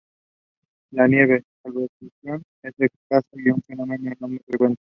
La nieve, salvo excepción, es escasa y un fenómeno no muy frecuente.